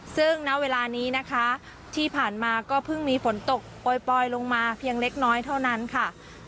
ซึ่งณเวลานี้นะคะที่ผ่านมาก็เพิ่งมีฝนตกปล่อยลงมาเพียงเล็กน้อยเท่านั้นค่ะ